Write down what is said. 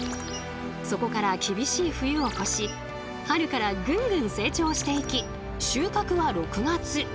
そこから厳しい冬を越し春からぐんぐん成長していき収穫は６月。